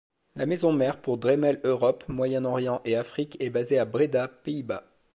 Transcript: La maison-mère pour Dremel Europe, Moyen Orient et Afrique est basée à Breda, Pays-Bas.